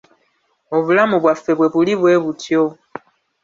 Obulamu bwaffe bwe buli bwe butyo.